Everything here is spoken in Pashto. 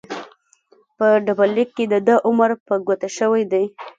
په ډبرلیک کې دده عمر په ګوته شوی دی.